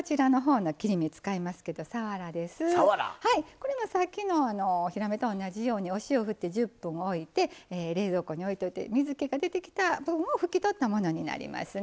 これもさっきのひらめと同じようにお塩ふって１０分おいて冷蔵庫においといて水けが出てきた分を拭き取ったものになりますね。